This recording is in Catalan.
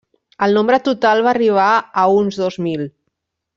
El nombre total va arribar a uns dos mil.